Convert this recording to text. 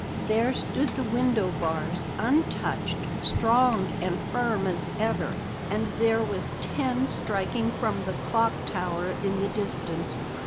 There stood the window bars, untouched, strong and firm as ever. And there was ten striking from the clock tower in the distance.